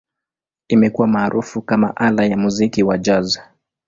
Imekuwa maarufu kama ala ya muziki wa Jazz.